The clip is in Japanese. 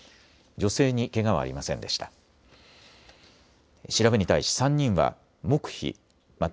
女性にけがはありませんでした。